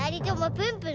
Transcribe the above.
プンプン！